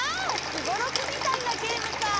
すごろくみたいなゲームか！